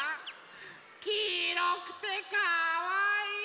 きいろくてかわいい！